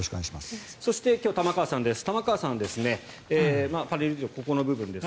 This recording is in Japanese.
そして、今日玉川さんです。